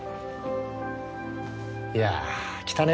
いやきたね。